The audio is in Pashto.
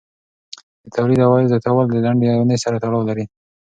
د تولید او عاید زیاتوالی د لنډې اونۍ سره تړاو لري.